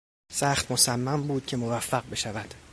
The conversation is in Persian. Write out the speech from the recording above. سخت مصمم بود که موفق بشود.